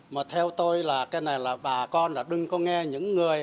mà theo tôi là cái này là bà con là đừng có nghe những người